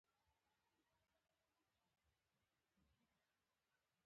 له ايډېسن سره د شراکت لېوالتیا يې لا ژوره شوه.